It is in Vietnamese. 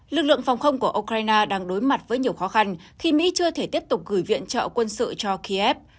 lực lượng phòng không của ukraine đang đối mặt với nhiều khó khăn khi mỹ chưa thể tiếp tục gửi viện trợ quân sự cho kiev